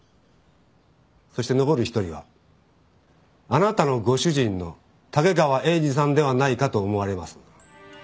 そして残る１人はあなたのご主人の竹川栄二さんではないかと思われます。